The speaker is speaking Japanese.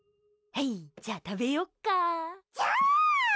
じゃあ食べよっか。